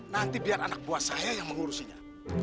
nanti biar anak buah saya yang mengurusinya